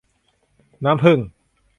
น้ำผึ้ง